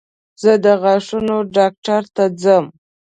زه د غاښونو ډاکټر ته ځم.